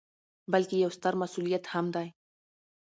، بلکې یو ستر مسؤلیت هم دی